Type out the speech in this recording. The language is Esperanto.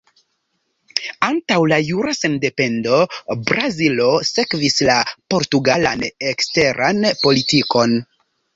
Antaŭ la jura sendependo, Brazilo sekvis la portugalan eksteran politikon.